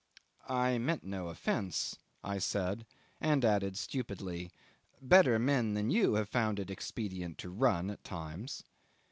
"I meant no offence," I said; and added stupidly, "Better men than you have found it expedient to run, at times."